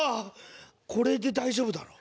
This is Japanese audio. これで大丈夫だろ。